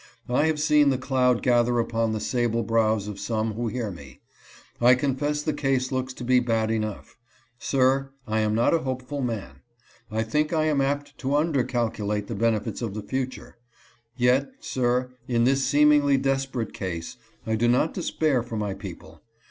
I have seen the cloud gather upon the sable brows of some who hear me. I confess the case looks to be bad enough. Sir, I am not a hopeful man. I think I am apt to undercalculate the benefits of the future. Yet, sir, in this seemingly desperate case, I do not despair for my people.